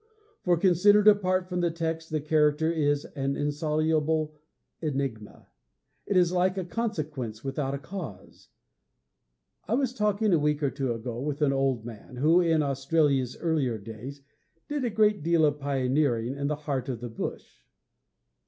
For, considered apart from the text, the character is an insoluble enigma. It is like a consequence without a cause. I was talking a week or two ago with an old man, who, in Australia's earlier days, did a good deal of pioneering in the heart of the bush.